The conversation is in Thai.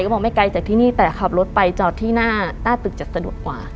ก็บอกไม่ไกลจากที่นี่แต่ขับรถไปจอดที่หน้าตึกจะสะดวกกว่า